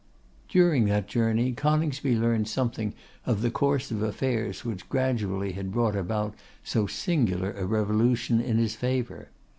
During that journey Coningsby learned something of the course of affairs which gradually had brought about so singular a revolution in his favour.